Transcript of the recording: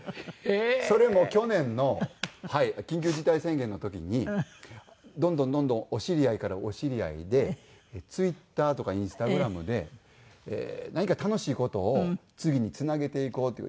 それも去年のはい緊急事態宣言の時にどんどんどんどんお知り合いからお知り合いでＴｗｉｔｔｅｒとかインスタグラムで何か楽しい事を次につなげていこうという。